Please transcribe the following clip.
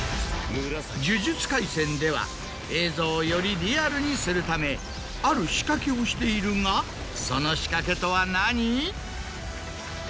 『呪術廻戦』では映像をよりリアルにするためある仕掛けをしているがその仕掛けとは何？